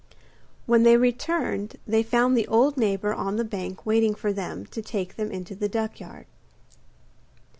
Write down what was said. When they returned they found the old neighbour on the bank waiting for them to take them into the duckyard.